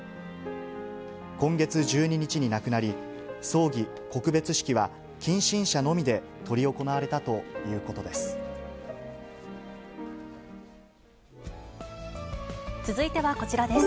今月１２日に亡くなり、葬儀・告別式は近親者のみで執り行われたということです。